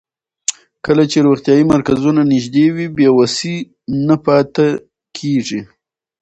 کله چې روغتیايي مرکزونه نږدې وي، بې وسۍ نه پاتې کېږي.